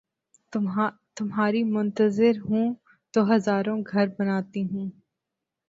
تمہاری منتظر یوں تو ہزاروں گھر بناتی ہوں